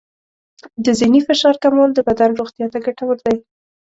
د ذهني فشار کمول د بدن روغتیا ته ګټور دی.